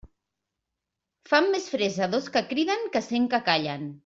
Fan més fressa dos que criden que cent que callen.